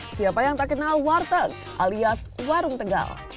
siapa yang tak kenal warteg alias warung tegal